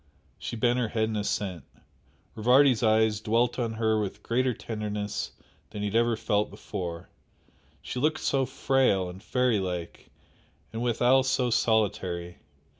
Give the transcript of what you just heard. She bent her head in assent. Rivardi's eyes dwelt on her with greater tenderness than he had ever felt before, she looked so frail and fairy like, and withal so solitary.